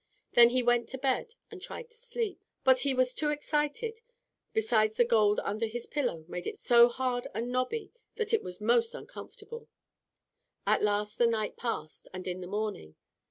Then he went to bed and tried to sleep. But he was too excited; besides the gold under his pillow made it so hard and knobby that it was most uncomfortable. At last the night passed, and in the morning.